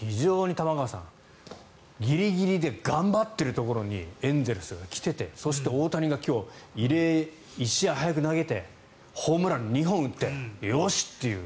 非常に玉川さんギリギリで頑張ってるところにエンゼルスが来ててそして大谷が今日異例１試合早く投げてホームラン２本打ってよし！